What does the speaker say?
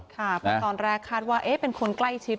ค่ะเพราะตอนแรกคาดว่าเป็นคนใกล้ชิด